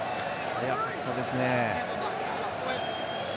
速かったですね。